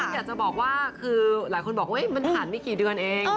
อยากจะบอกว่าคือหลายคนบอกว่ามันผ่านไม่กี่เดือนเอง